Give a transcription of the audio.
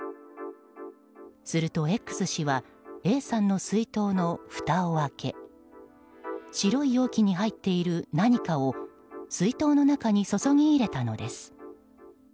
するとＸ氏はＡさんの水筒のふたを開け白い容器に入っている何かを水筒の中に注ぎ入れたのです。